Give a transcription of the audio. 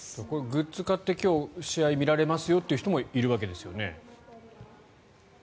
グッズを買って今日、試合を見られますよという人もいるわけですよね。